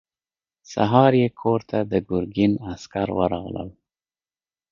سهار يې کور ته د ګرګين عسکر ورغلل.